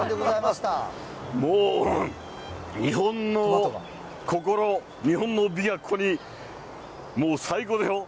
もう日本の心、日本の美がここに、もう最高でしょ？